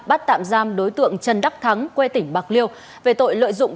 bắt tạm giam đối tượng trần đắc thắng quê tỉnh bạc liêu về tội lợi dụng